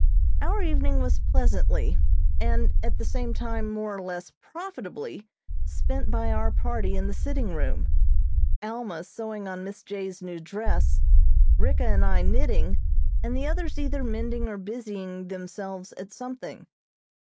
Our evening was pleasantly, and at the same time more or less profitably spent by our party in the sitting room, Alma sewing on Miss J.'s new dress, Ricka and I knitting, and the others either mending or busying themselves at something.